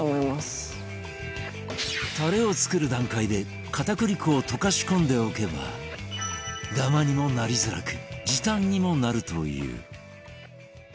タレを作る段階で片栗粉を溶かし込んでおけばダマにもなりづらく時短にもなるという